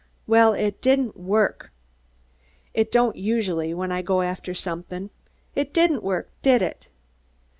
Well, it didn't work! It don't usually, when I go after somethin'. It didn't work, did it?"